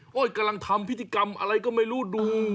กำลังทำพิธีกรรมอะไรก็ไม่รู้ดู